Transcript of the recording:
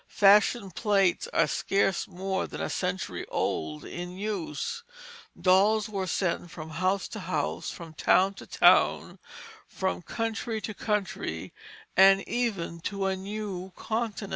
Fashion plates are scarce more than a century old in use. Dolls were sent from house to house, from town to town, from country to country, and even to a new continent.